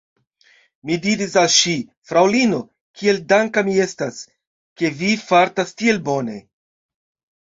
Mi diris al ŝi: «Fraŭlino, kiel danka mi estas, ke vi fartas tiel bone!»